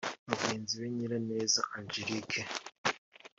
Mugenzi we Nyiraneza Angelique